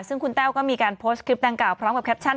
ซึ่งคุณแต้วก็มีการโพสต์คลิปดังกล่าพร้อมกับแคปชั่น